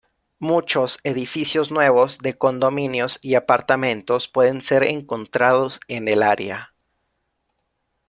Muchos edificios nuevos de condominios y apartamentos pueden ser encontrados en el área.